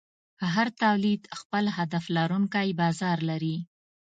هر تولید خپل هدف لرونکی بازار لري.